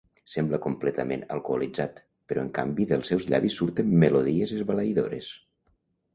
Sembla completament alcoholitzat, però en canvi dels seus llavis surten melodies esbalaïdores.